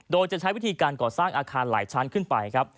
โดยจะใช้วิธีการก่อสร้างอาคารหลายชั้นขึ้นไปครับ